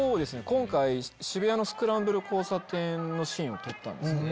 今回渋谷のスクランブル交差点のシーンを撮ったんですけど。